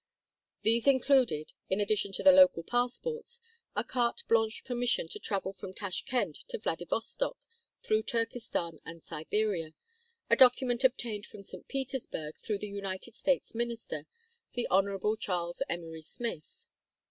These included, in addition to the local passports, a carte blanche permission to travel from Tashkend to Vladivostock through Turkestan and Siberia, a document obtained from St. Petersburg through the United States minister, the Hon. Charles Emory Smith.